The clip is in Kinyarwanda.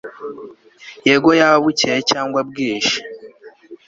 Yego yaba bucyeye cyangwa bwije